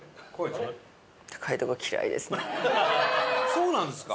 そうなんですか？